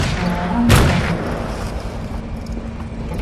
Ɣrant-am-d.